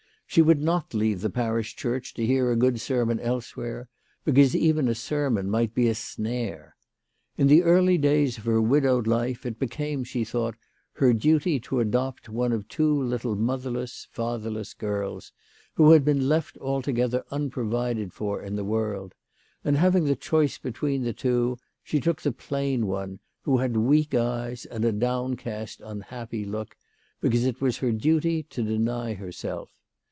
She would not leave the parish church to hear a good sermon elsewhere, because even a sermon might be a snare. In the early days of her widowed life it became, she thought, her duty to adopt one of two little mother less, fatherless girls, who had been left altogether unprovided for in the world ; and having the choice between the two, she took the plain one, who had weak eyes and a downcast, unhappy look, because it was her duty to deny herself.